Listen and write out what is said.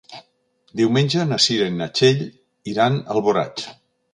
Diumenge na Cira i na Txell iran a Alboraig.